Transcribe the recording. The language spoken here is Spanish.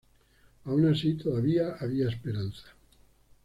Aun así, todavía había esperanza.